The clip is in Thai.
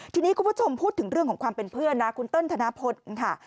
ทีนี้คุณผู้ชมพูดถึงเรื่องของความเป็นเพื่อนนะคุณเติ้ลธนพลค่ะ